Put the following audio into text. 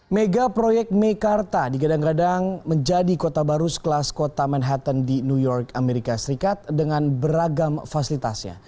mega proyek mekarta digadang gadang menjadi kota baru sekelas kota manhattan di new york amerika serikat dengan beragam fasilitasnya